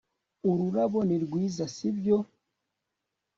ururabo ni rwiza, sibyo